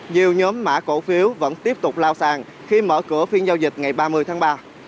nhiều nhóm mã cổ phiếu vẫn tiếp tục lao sang khi mở cửa phiên giao dịch ngày ba mươi tháng ba